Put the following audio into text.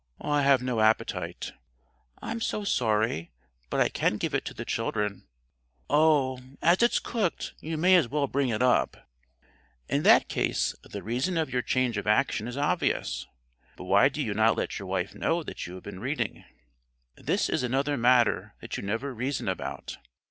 "I have no appetite." "I'm so sorry, but I can give it to the children." "Oh, as it's cooked, you may as well bring it up." [Illustration: You are lying there with your eyes shut] In that case the reason of your change of action is obvious. But why do you not let your wife know that you have been reading? This is another matter that you never reason about.